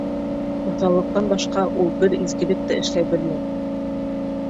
Уҫаллыҡтан башҡа ул бер изгелек тә эшләй белмәй.